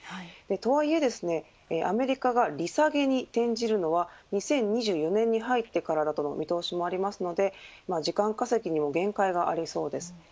とはいえですね、アメリカが利下げに転じるのは２０２４年に入ってからだとの見通しもありますので時間稼ぎにも限界がありそうです。